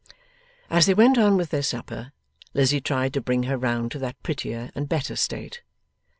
As they went on with their supper, Lizzie tried to bring her round to that prettier and better state.